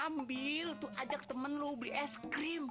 ambil tuh ajak temen lu beli es krim